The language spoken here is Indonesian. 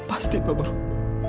pasti pak beruan